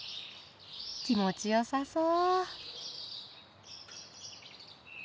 気持ちよさそう。